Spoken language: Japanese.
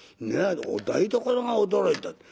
お台所が驚いた。